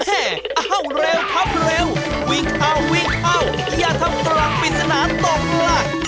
อ้าวเร็วครับเร็ววิ่งอ้าววิ่งอ้าวอย่าทำตรงปิดสนานตกล่ะ